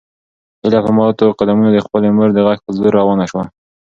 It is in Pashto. هیله په ماتو قدمونو د خپلې مور د غږ په لور روانه شوه.